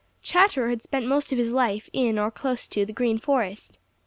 Chatterer had spent most of his life in or close to the Green Forest.